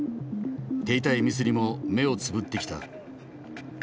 手痛いミスにも目をつぶってきた。